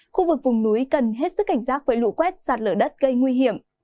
khu vực vùng núi cần hết sức cảnh giác với lũ quét sạt lở đất gây nguy hiểm